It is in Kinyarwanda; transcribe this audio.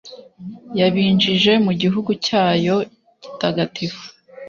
yabinjije mu gihugu cyayo gitagatifu